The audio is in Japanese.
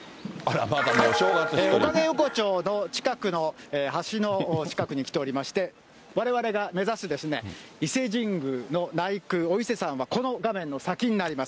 おかげ横丁の近くの、橋の近くに来ておりまして、われわれが目指す伊勢神宮の内宮、お伊勢さんはこの画面の先になります。